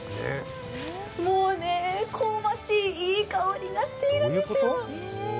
もうね、香ばしいいい香りがしているんですよ。